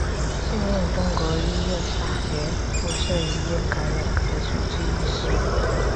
现任中国医药大学附设医院感染科主治医师。